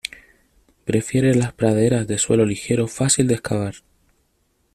Prefiere las praderas de suelo ligero fácil de excavar.